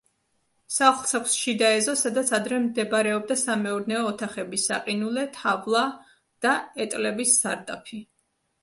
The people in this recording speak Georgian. სახლს აქვს შიდა ეზო, სადაც ადრე მდებარეობდა სამეურნეო ოთახები: საყინულე, თავლა და ეტლების სარდაფი.